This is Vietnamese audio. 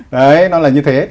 đấy nó là như thế